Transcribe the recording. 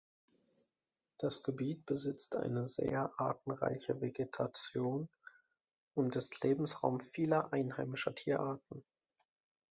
Das Gebiet besitzt eine sehr artenreiche Vegetation und ist Lebensraum vieler einheimischer Tierarten.